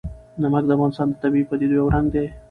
نمک د افغانستان د طبیعي پدیدو یو رنګ دی.